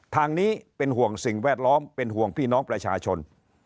ทางนี้เป็นห่วงสิ่งแวดล้อมเป็นห่วงพี่น้องประชาชน